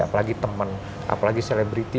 apalagi temen apalagi selebriti